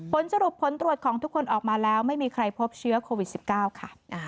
ผลสรุปผลตรวจของทุกคนออกมาแล้วไม่มีใครพบเชื้อโควิด๑๙ค่ะ